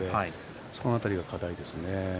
その辺りが課題ですね。